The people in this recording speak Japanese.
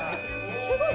すごい。